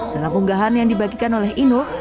dalam unggahan yang dibagikan oleh inul